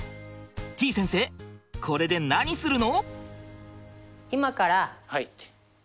てぃ先生これで何するの？